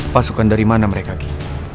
pasukan dari mana mereka kip